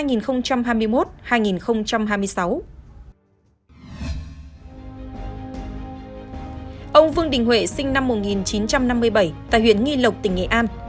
ông vương đình huệ sinh năm một nghìn chín trăm năm mươi bảy tại huyện nghi lộc tỉnh nghệ an